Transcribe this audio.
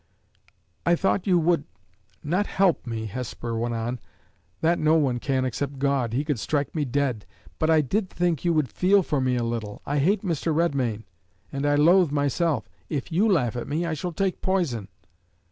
"I thought you would not help me," Hesper went on, " that no one can except God he could strike me dead; but I did think you would feel for me a little. I hate Mr. Redmain, and I loathe myself. If you laugh at me, I shall take poison."